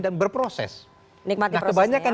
dan berproses nah kebanyakan